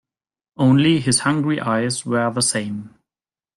Only his hungry eyes were the same.